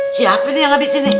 siapa nih yang abisin ini